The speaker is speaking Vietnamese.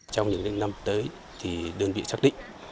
trong những năm tới thì đơn vị xác định